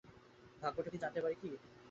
ভাগ্যটা কী জানতে পারি কি?